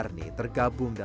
banyak teman juga